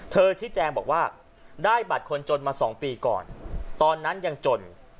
ชี้แจงบอกว่าได้บัตรคนจนมา๒ปีก่อนตอนนั้นยังจน